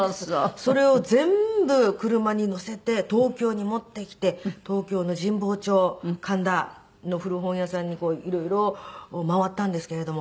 それを全部車に乗せて東京に持ってきて東京の神保町神田の古本屋さんに色々回ったんですけれども。